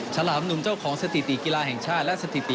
ฉลามหนุ่มเจ้าของสถิติกีฬาแห่งชาติ